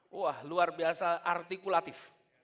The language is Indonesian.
wah luar biasa artikulatif